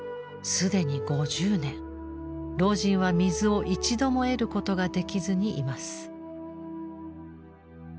既に５０年老人は水を一度も得ることができずにいます。